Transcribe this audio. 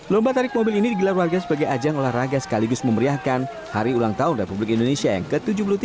lomba tarik mobil ini digelar warga sebagai ajang olahraga sekaligus memeriahkan hari ulang tahun republik indonesia yang ke tujuh puluh tiga